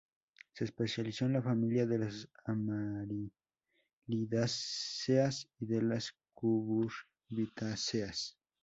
Se especializó en la familia de las amarilidáceas, y de las cucurbitáceas.